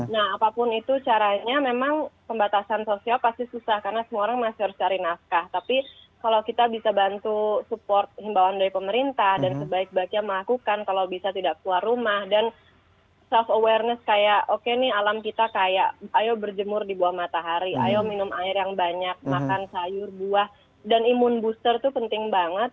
nah apapun itu caranya memang pembatasan sosial pasti susah karena semua orang masih harus cari nafkah tapi kalau kita bisa bantu support himbauan dari pemerintah dan sebaik baiknya melakukan kalau bisa tidak keluar rumah dan self awareness kayak oke nih alam kita kayak ayo berjemur di bawah matahari ayo minum air yang banyak makan sayur buah dan imun booster itu penting banget